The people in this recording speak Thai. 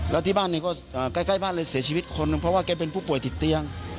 แล้วที่บ้านเนี่ยก็ใกล้บ้านเลยเสียชีวิตคนหนึ่งเพราะว่าแกเป็นผู้ป่วยติดเตียง